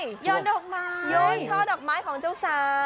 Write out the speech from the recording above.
ยนช่อดอกไม้ของเจ้าสาม